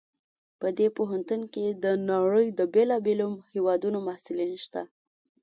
په دې پوهنتون کې د نړۍ د بیلابیلو هیوادونو محصلین شته